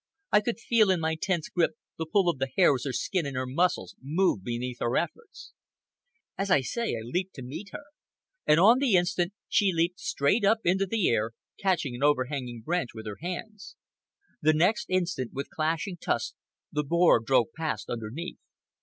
I could feel in my tense grip the pull of the hair as her skin and her muscles moved beneath with her efforts. As I say, I leaped to meet her, and on the instant she leaped straight up into the air, catching an overhanging branch with her hands. The next instant, with clashing tusks, the boar drove past underneath.